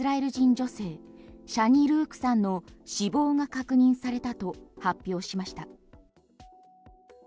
女性シャニ・ルークさんの死亡が確認されたと発表しました。